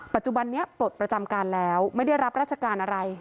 ปัจจุบันนี้ปลดประจำการแล้วไม่ได้รับราชการอะไร